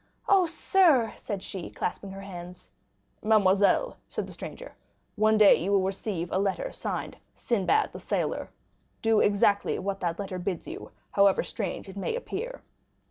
"Oh, sir"—said she, clasping her hands. "Mademoiselle," said the stranger, "one day you will receive a letter signed 'Sinbad the Sailor.' Do exactly what the letter bids you, however strange it may appear."